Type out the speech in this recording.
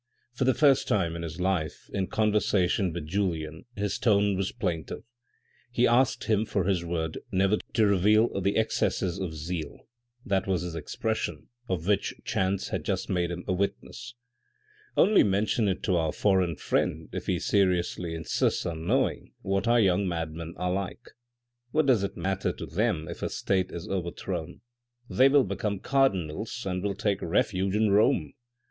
For the first time in his life in conversation with Julien, his tone was plaintive. He asked him for his word never to reveal the excesses of zeal, that was his expression, of which chance had just made him a witness. " Only mention it to our foreign friend, if he seriously insists on knowing what our young madmen are like. What does it matter to them if a state is overthrown, they will become cardinals and will take refuge in Rome.